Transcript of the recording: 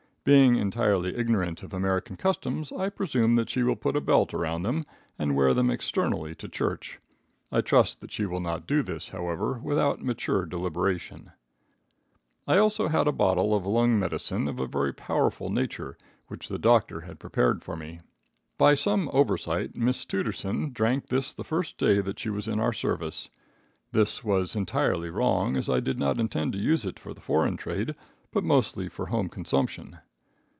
Being entirely ignorant of American customs, I presume that she will put a belt around them and wear them externally to church. I trust that she will not do this, however, without mature deliberation. [Illustration: IGNORANT OF AMERICAN CUSTOMS.] I also had a bottle of lung medicine of a very powerful nature which the doctor had prepared for me. By some oversight, Miss Tooterson drank this the first day that she was in our service. This was entirely wrong, as I did not intend to use it for the foreign trade, but mostly for home consumption.